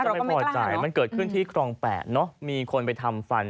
เราก็ไม่กล้าเนอะมันเกิดขึ้นที่กรอง๘เนอะมีคนไปทำฟัน